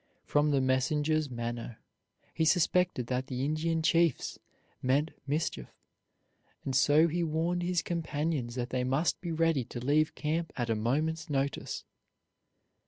From the messenger's manner he suspected that the Indians meant mischief, and so he warned his companions that they must be ready to leave camp at a moment's notice.